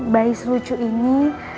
bayi selucu ini